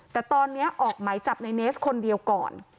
แต่ตอนนี้ออกหมายจับในเนสคนเดียวก่อน